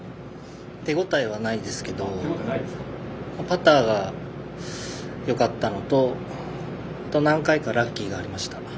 手応えはないですけどパターがよかったのと何回かラッキーがありました。